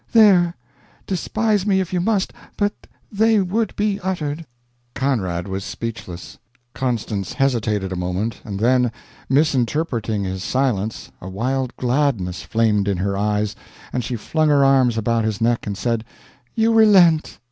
There, despise me if you must, but they would be uttered!" Conrad was speechless. Constance hesitated a moment, and then, misinterpreting his silence, a wild gladness flamed in her eyes, and she flung her arms about his neck and said: "You relent!